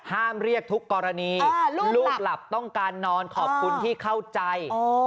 ห้ามเรียกทุกกรณีลูกหลับต้องการนอนขอบคุณที่เข้าใจ